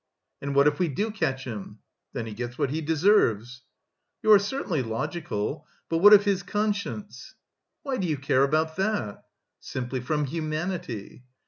"And what if we do catch him?" "Then he gets what he deserves." "You are certainly logical. But what of his conscience?" "Why do you care about that?" "Simply from humanity."